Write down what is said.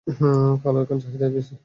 কালো এখন বেশি চাহিদায় আছে।